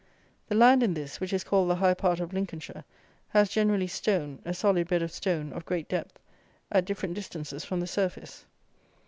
The land in this, which is called the high part of Lincolnshire, has generally stone, a solid bed of stone of great depth, at different distances from the surface.